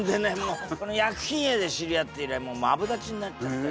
薬品会で知り合って以来もうマブダチになっちゃって。